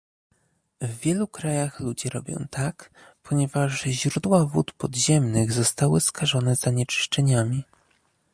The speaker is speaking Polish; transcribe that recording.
W wielu krajach ludzie robią tak, ponieważ źródła wód podziemnych zostały skażone zanieczyszczeniami